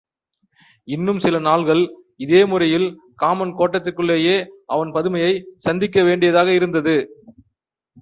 இன்னும் சில நாள்கள் இதே முறையில் காமன் கோட்டத்திற்குள்ளேயே அவன் பதுமையைச் சந்திக்க வேண்டியதாக இருந்தது.